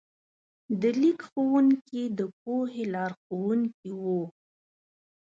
د لیک ښوونکي د پوهې لارښوونکي وو.